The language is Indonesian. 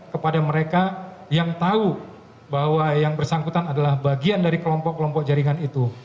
kepada mereka yang tahu bahwa yang bersangkutan adalah bagian dari kelompok kelompok jaringan itu